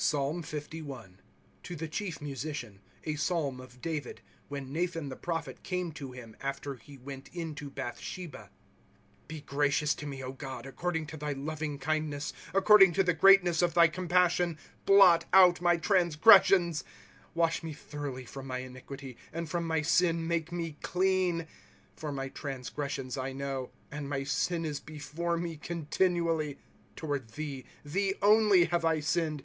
PSALM LI To tlie Ciiief Musician. A Psalm of David ; when Nathan the prophet came to him, after he went in to Bathsiieba. * Be gracious to me, God, according to thy loving kindness ; According to the greatness of thy compassion blot out my ' Wash me thoroughly from my iniquity, And from my sin make me clean, ■.^ For my transgressions I know. And my sin is before me continually. * Toward thee, thee only, have I sinned.